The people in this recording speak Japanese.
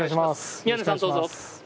宮根さん、どうぞ。